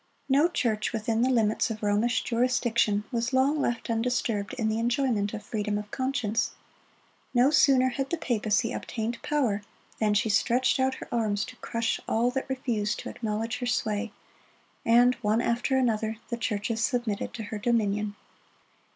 No church within the limits of Romish jurisdiction was long left undisturbed in the enjoyment of freedom of conscience. No sooner had the papacy obtained power than she stretched out her arms to crush all that refused to acknowledge her sway; and one after another, the churches submitted to her dominion.